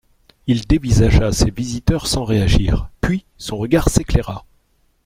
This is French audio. Il dévisagea ses visiteurs sans réagir puis son regard s’éclaira.